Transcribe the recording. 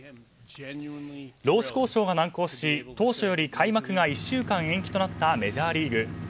労使交渉が難航し、当初より開幕が１週間延期となったメジャーリーグ。